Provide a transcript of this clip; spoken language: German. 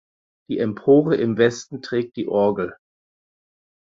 Die Empore im Westen trägt die Orgel.